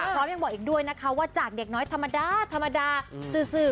พร้อมยังบอกอีกด้วยนะคะว่าจากเด็กน้อยธรรมดาธรรมดาสื่อ